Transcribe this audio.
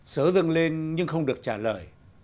sớ dâng lên nhưng không được trả lời